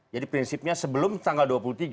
jadi prinsipnya sebelum tanggal dua puluh tiga